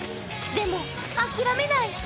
でも諦めない。